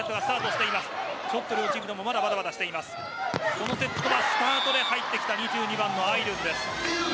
このセットはスタートから入ってきた２２番のアイドゥンです。